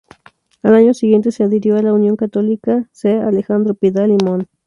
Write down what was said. Al año siguiente se adhirió a la Unión Católica se Alejandro Pidal y Mon.